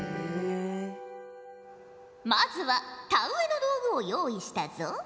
まずは田植えの道具を用意したぞ。